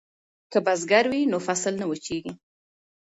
که بزګر وي نو فصل نه وچیږي.